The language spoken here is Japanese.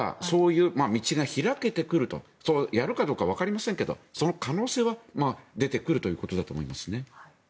ここで行けばそういう道が開けてくるやるかどうかわかりませんがその可能性は出てくるということだと思いますね。